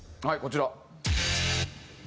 はいこちら。